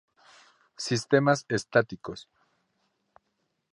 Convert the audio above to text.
Sistemas estáticos.